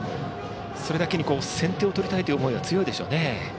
それだけに先手を取りたいという思いは強いでしょうね。